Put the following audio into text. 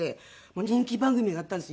人気番組があったんです